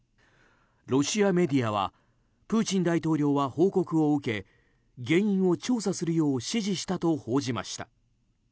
ロシアメディアはプーチン大統領は報告を受け原因を調査するよう指示したと報じました。